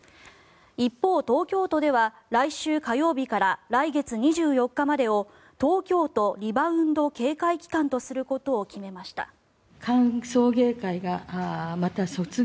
一方、東京都では来週火曜日から来月２４日までを東京都リバウンド警戒期間とすることを決めました。